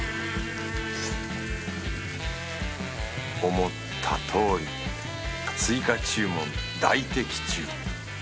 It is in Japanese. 思ったとおり追加注文大的中。